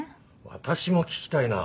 私も聴きたいな。